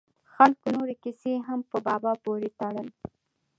خلکو نورې کیسې هم په بابا پورې تړل.